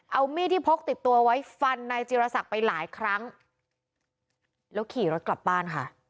เอามีดที่พกติดตัวไว้ฟันนายจิรศักดิ์ไปหลายครั้งแล้วขี่รถกลับบ้านค่ะ